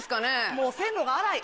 もう線路が荒い！